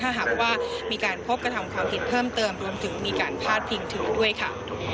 ถ้าหากว่ามีการพบกระทำความผิดเพิ่มเติมรวมถึงมีการพาดพิงถึงด้วยค่ะ